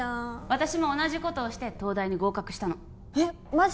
私も同じことをして東大に合格したのえっマジ！？